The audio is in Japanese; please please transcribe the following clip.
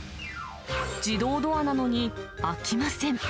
自動ドアなのに、開きません。